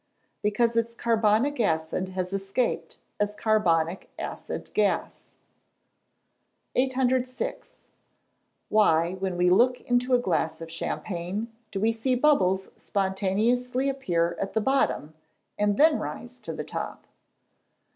_ Because its carbonic acid has escaped as carbonic acid gas. 806. _Why, when we look into a glass of champagne, do we see bubbles spontaneously appear at the bottom, and then rise to the top?